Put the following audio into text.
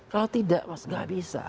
kalau tidak mas nggak bisa